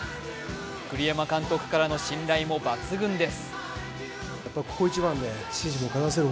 栗山監督からの信頼も抜群です。